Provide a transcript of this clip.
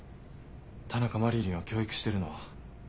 田中麻理鈴を教育してるのは。